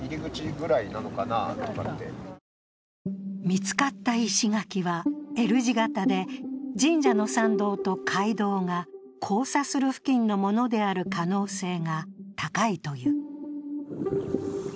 見つかった石垣はＬ字型で、神社の参道と街道が交差する付近のものである可能性が高いという。